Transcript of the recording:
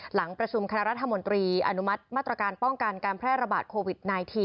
หลังประชุมคณะรัฐมนตรีอนุมัติมาตรการป้องกันการแพร่ระบาดโควิด๑๙